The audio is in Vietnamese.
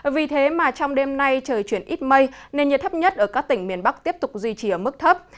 vì thế mà trong đêm nay trời chuyển ít mây nền nhiệt thấp nhất ở các tỉnh miền bắc tiếp tục duy trì ở mức thấp